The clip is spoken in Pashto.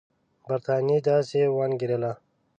برټانیې داسې وانګېرله.